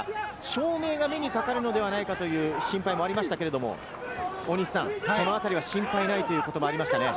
照明が目にかかるのではないかという心配もありましたけれど、そのあたりは心配ないということもありましたね。